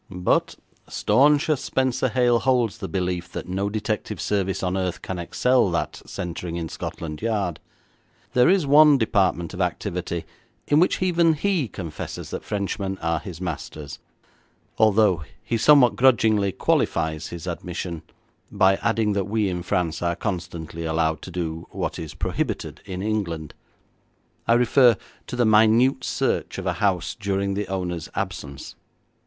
But, staunch as Spenser Hale holds the belief that no detective service on earth can excel that centring in Scotland Yard, there is one department of activity in which even he confesses that Frenchmen are his masters, although he somewhat grudgingly qualifies his admission by adding that we in France are constantly allowed to do what is prohibited in England. I refer to the minute search of a house during the owner's absence.